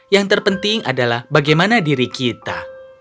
yang terpenting adalah bagaimana diri kita